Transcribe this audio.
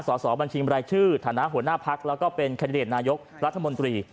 สอบบัญชีบรายชื่อฐานะหัวหน้าพักแล้วก็เป็นแคนดิเดตนายกรัฐมนตรี